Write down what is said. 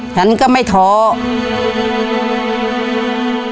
ฉันก็ไม่ท้อ